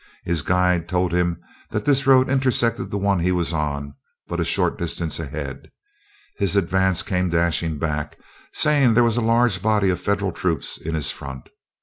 His guide told him that this road intersected the one he was on but a short distance ahead. His advance came dashing back, saying there was a large body of Federal troops in his front.